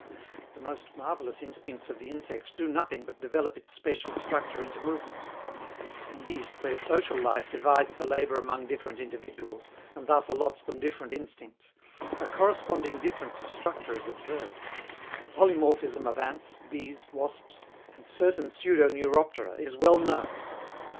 The most marvelous instincts of the insect do nothing but develop its special structure into movements: indeed, where social life divides the labor among different individuals, and thus allots them different instincts, a corresponding difference of structure is observed: the polymorphism of ants, bees, wasps and certain pseudoneuroptera is well known.